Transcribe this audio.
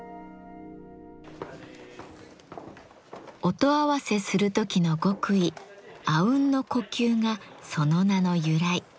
音合わせする時の極意「阿吽の呼吸」がその名の由来。